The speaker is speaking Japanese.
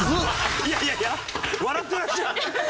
いやいやいや笑ってらっしゃる。